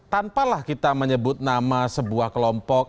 tanpalah kita menyebut nama sebuah kelompok